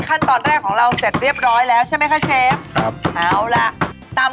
เห็นน้องอยากได้กล้าม